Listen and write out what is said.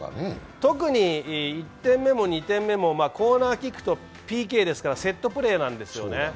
特に１点目も２点目もコーナーキックとＰＫですからセットプレーなんですよね。